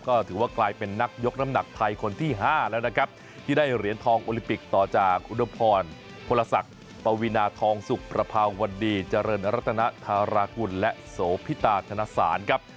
ก็ถือว่ากลายเป็นนักยกน้ำหนักไทยคนที่๕แล้วนะครับที่ได้เหรียญทองโอลิมปิกต่อจากอุดมพรพลศักดิ์ปวีนาทองสุกประภาวันดีเจริญรัตนธารากุลและโสพิตาธนสารครับ